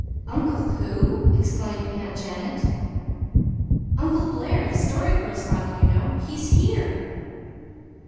"Uncle who?" exclaimed Aunt Janet. "Uncle Blair the Story Girl's father, you know. He's here."